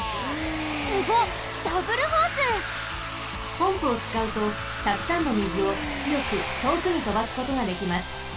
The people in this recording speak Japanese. ポンプをつかうとたくさんのみずをつよくとおくにとばすことができます。